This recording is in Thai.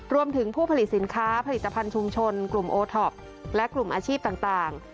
รวมถึงผู้ผลิตสินค้าผลิตภัณฑ์ชุมชนกลุ่มโอท็อปและกลุ่มอาชีพต่าง